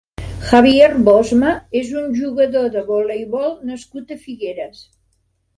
Javier Bosma és un jugador de voleibol nascut a Figueres.